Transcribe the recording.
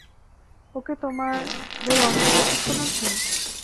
ওকে, তোমাদের অস্ত্র প্রশিক্ষণ আছে?